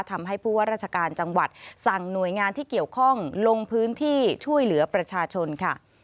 ทำให้ผู้ว่าราชการจังหวัดสั่งหน่วยงานที่เกี่ยวข้องลงพื้นที่ช่วยเหลือประชาชนค่ะ